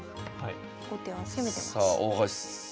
後手は攻めてます。